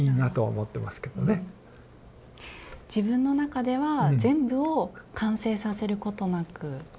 自分の中では全部を完成させることなく。